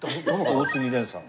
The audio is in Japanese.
大杉さん。